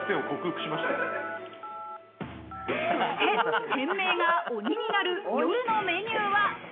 そして店名が「鬼」になる夜のメニューは。